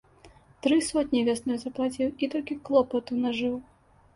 Тры сотні вясной заплаціў, і толькі клопату нажыў.